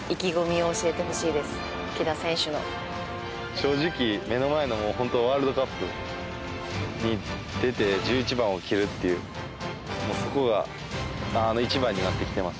正直、目の前のワールドカップに出て１１番を着るっていうもう、そこが一番になってきてます。